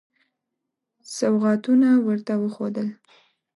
سوغاتونه ورته وښودل.